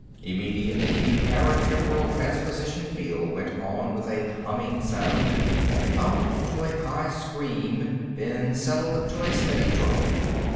Immediately, the paratemporal transposition field went on with a humming sound that mounted to a high scream, then settled to a steady drone.